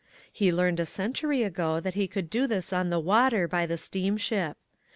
He learned a century ago that he could do this on the water by the steamship.